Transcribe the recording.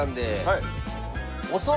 はい。